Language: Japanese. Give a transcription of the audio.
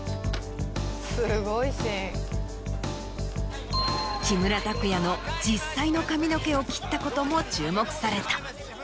・すごいシーン・木村拓哉の実際の髪の毛を切ったことも注目された。